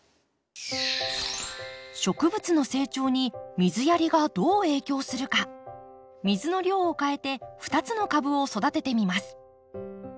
植物の成長に水やりがどう影響するか水の量を変えて２つの株を育ててみます。